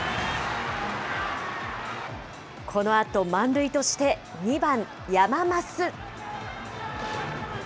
このあと満塁として、２番山増。